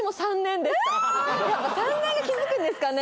やっぱ３年が気づくんですかね？